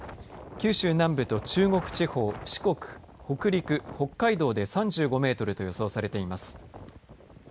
九州南部と中国地方で四国、北陸、北海道で３５メートルと予想されています。